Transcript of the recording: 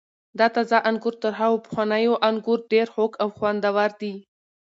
دا تازه انګور تر هغو پخوانیو انګور ډېر خوږ او خوندور دي.